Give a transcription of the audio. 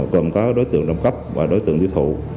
gồm có đối tượng đồng cấp và đối tượng tiêu thụ